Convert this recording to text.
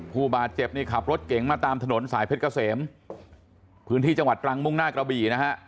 ผู้บาดเจ็บนี่ขับรถเก๋งมาตามถนนสายเพชรเกษมพื้นที่จังหวัดตรังมุ่งหน้ากระบี่นะฮะ